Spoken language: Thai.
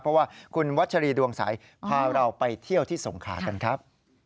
เพราะว่าคุณวัชรีดวงใสพาเราไปเที่ยวที่สงขากันครับ